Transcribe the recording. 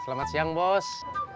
selamat siang bos